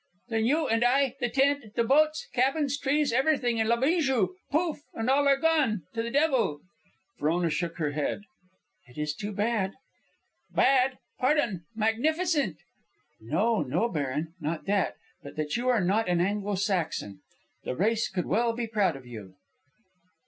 "Then you, and I, the tent, the boats, cabins, trees, everything, and La Bijou! Pouf! and all are gone, to the devil!" Frona shook her head. "It is too bad." "Bad? Pardon. Magnificent!" "No, no, baron; not that. But that you are not an Anglo Saxon. The race could well be proud of you."